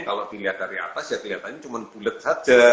kalau dilihat dari atas ya kelihatannya cuma bulet saja